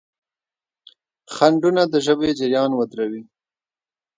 خنډونه د ژبې جریان ودروي.